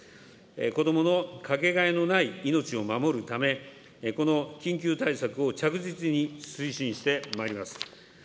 子どものかけがえのない命を守るため、この緊急対策を着実に推進してまいります。